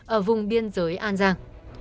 ở vùng biên giới an giang